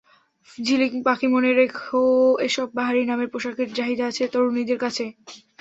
ঝিলিক, পাখি, মনে রেেখা এসব বাহারি নামের পোশাকের চাহিদা আছে তরুণীদের কাছে।